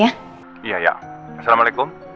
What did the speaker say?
iya iya assalamualaikum